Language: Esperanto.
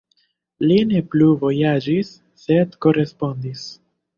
Li ne plu vojaĝis, sed korespondis.“.